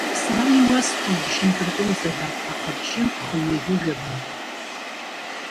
Сара иуасҳәом бжьынтәы рҟынӡа ҳәа, аха бжьынтә хынҩажәи жәабантәы.